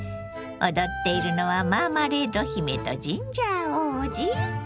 踊っているのはマーマレード姫とジンジャー王子？